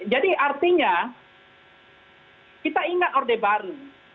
jadi artinya kita ingat orde baru